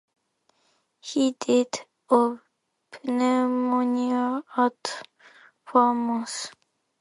He died of pneumonia at Falmouth.